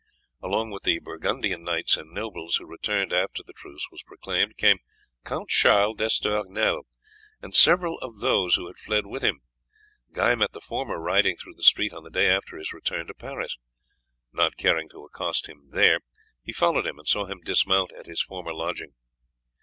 Along with the Burgundian knights and nobles who returned after the truce was proclaimed came Count Charles d'Estournel, and several of those who had fled with him. Guy met the former riding through the street on the day after his return to Paris. Not caring to accost him there, he followed him and saw him dismount at his former lodging.